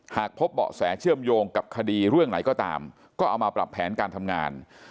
หากพบเบาะแสเชื่อมโยงกับคดีเรื่องไหนก็ตามก็เอามาปรับแผนการทำงาน